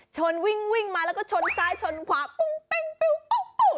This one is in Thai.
ชนวิ่งวิ่งมาแล้วก็ชนซ้ำชนขวาปุ๊บปิ้งปิ้วปู๊บ